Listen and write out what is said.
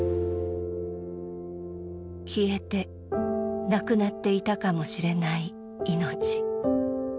消えてなくなっていたかもしれない命。